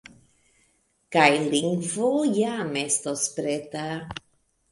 Kaj lingvo jam estos preta.